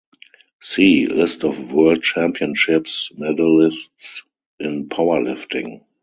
See: "List of world championships medalists in powerlifting"